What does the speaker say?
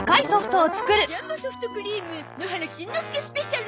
ジャンボソフトクリーム野原しんのすけスペシャル！